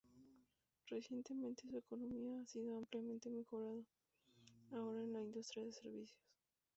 Recientemente su economía ha sido ampliamente mejorada, ahora en la industria de servicios.